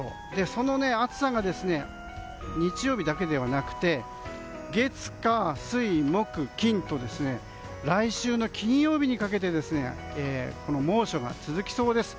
その暑さが日曜日だけではなくて月火水木金と来週の金曜日にかけて猛暑が続きそうです。